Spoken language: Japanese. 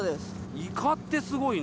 イカってすごいな。